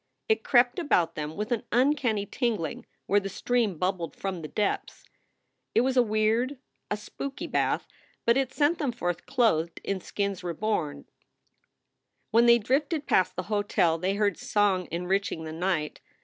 It crept about them with an uncanny tingling where the stream bubbled from the depths. It was a weird, a spooky bath, but it sent them forth clothed in skins reborn. When they drifted past the hotel they heard song enriching the night.